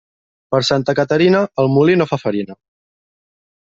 Per Santa Caterina, el molí no fa farina.